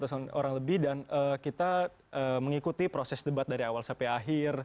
dua ratus an orang lebih dan kita mengikuti proses debat dari awal sampai akhir